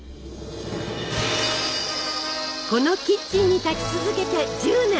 このキッチンに立ち続けて１０年！